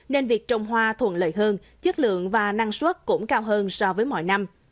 nên việc trồng hoa thuận lợi hơn chất lượng và năng suất cũng cao hơn so với mọi năm